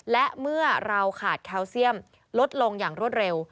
และเมื่อเราขาดแคลเซียมลดลงอย่างรวดเร็ว